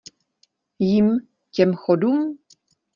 Jim, těm Chodům?!